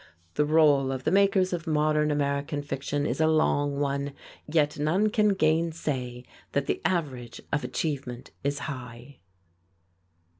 The roll of the makers of modern American fiction is a long one, yet none can gainsay that the average of achievement is high.